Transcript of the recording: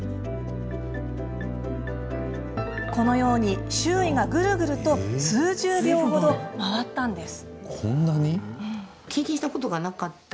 このように周囲がグルグルと数十秒ほど回ったんです。